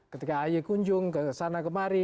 ketika ayyikunjung ke sana kemari